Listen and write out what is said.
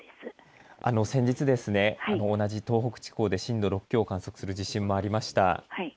先日ですね、同じ東北地方で震度６強を観測する地震もありました。